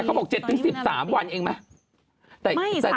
เขาบอก๗๑๓วันเองไหม